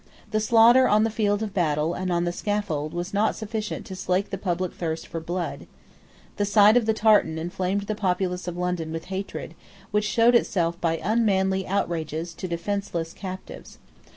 The slaughter on the field of battle and on the scaffold was not sufficient to slake the public thirst for blood. The sight of the tartan inflamed the populace of London with hatred, which showed itself by unmanly outrages to defenceless captives.